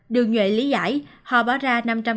đường nhuệ lý giải họ báo ra năm trăm linh